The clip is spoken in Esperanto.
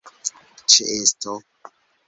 ĉeesto